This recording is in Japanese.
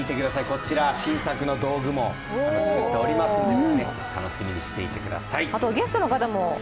こちら、新作の道具も作っておりますので、楽しみにしていたください。